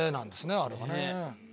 あれはね。